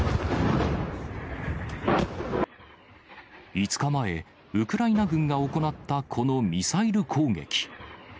５日前、ウクライナ軍が行ったこのミサイル攻撃。